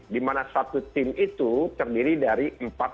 di mana satu tim itu terdiri dari empat